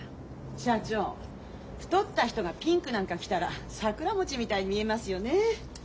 社長太った人がピンクなんか着たら桜餅みたいに見えますよねえ。